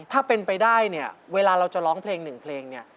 ถ้าเป็นไปได้เนี่ยเวลาเราจะร้องเพลงหนึ่งเพลงเนี่ย